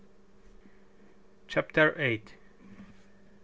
CHAPTER EIGHT.